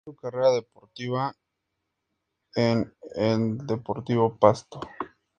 Inicio su carrera deportiva en el Deportivo Pasto.